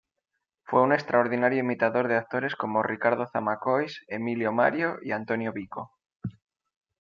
Fue un extraordinario imitador de actores como Ricardo Zamacois, Emilio Mario y Antonio Vico.